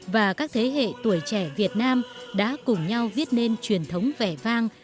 và các thế hệ tuổi trẻ việt nam đã cùng nhau viết nên truyền thống vẻ vang